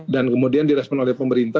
dan kemudian direspon oleh pemerintah